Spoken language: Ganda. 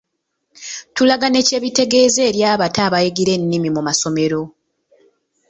Tulaga ne kye bitegeeza eri abato abayigira ennimi mu masomero.